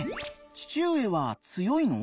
父上は強いの？